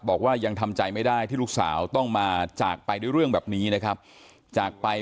บอกว่ายังทำใจไม่ได้ที่ลูกสาวต้องมาจากไปด้วยเรื่องแบบนี้นะครับจากไป